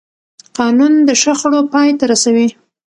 قانون د شخړو پای ته رسوي